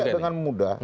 dia tidak dengan mudah